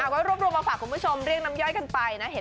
ก็รวบรวมมาฝากคุณผู้ชมเรียกน้ำย่อยกันไปนะ